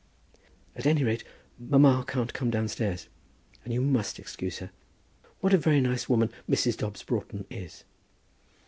"At any rate mamma can't come downstairs, and you must excuse her. What a very nice woman Mrs. Dobbs Broughton is."